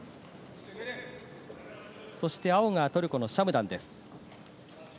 そして青がトルコのシャムダンです。